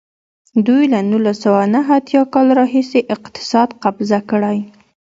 دوی له نولس سوه نهه اتیا کال راهیسې اقتصاد قبضه کړی.